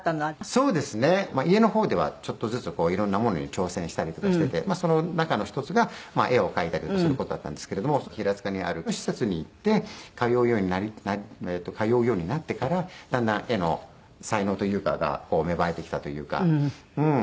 そうですね家の方ではちょっとずついろんなものに挑戦したりとかしててその中の１つが絵を描いたりとかする事だったんですけれども平塚にある施設に行って通うようになってからだんだん絵の才能というかが芽生えてきたというかうん。